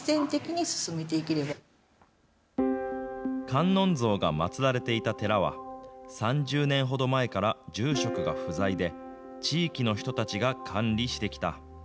観音像が祭られていた寺は、３０年ほど前から住職が不在で、地域の人たちが管理してきた。